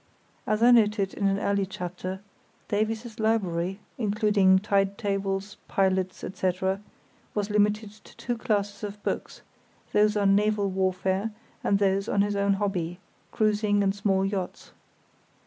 As I noted in an early chapter, Davies's library, excluding tide tables, "pilots", etc., was limited to two classes of books, those on naval warfare, and those on his own hobby, cruising in small yachts.